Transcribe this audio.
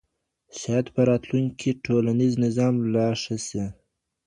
شاید په راتلونکي کې ټولنیز نظم لا ښه سي.